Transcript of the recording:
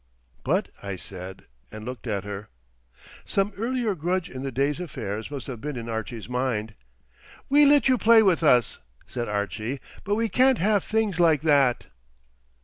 "But" I said, and looked at her. Some earlier grudge in the day's affairs must have been in Archie's mind. "We let you play with us," said Archie; "but we can't have things like that."